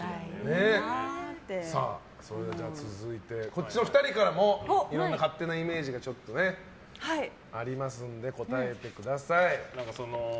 それでは続いてこっちの２人からもいろんな勝手なイメージがありますので答えてください。